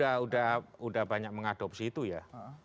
kita udah banyak mengadopsi itu ya